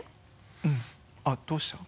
うんあっどうしたの？